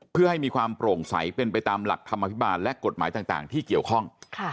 เพื่อให้มีความโปร่งใสเป็นไปตามหลักธรรมอภิบาลและกฎหมายต่างที่เกี่ยวข้อง